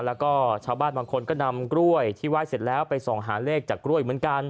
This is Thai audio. แล้วก็ชาวบ้านบางคนก็นำกล้วยที่ไหว้เสร็จแล้วไปส่องหาเลขจากกล้วยเหมือนกัน